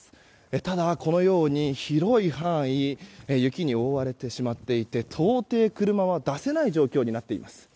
ただ、このように広い範囲が雪に覆われてしまっていて到底、車は出せない状況になっています。